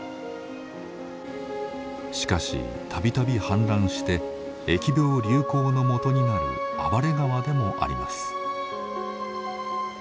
しかし度々氾濫して疫病流行のもとになる暴れ川でもあります。